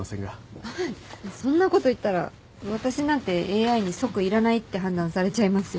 そんなこと言ったら私なんてＡＩに即いらないって判断されちゃいますよ。